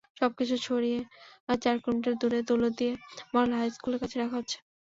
সবকিছু সরিয়ে চার কিলোমিটার দূরে দৌলতদিয়া মডেল হাইস্কুলের কাছে রাখা হচ্ছে।